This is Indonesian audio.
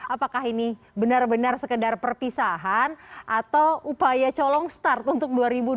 apakah ini benar benar sekedar perpisahan atau upaya colong start untuk dua ribu dua puluh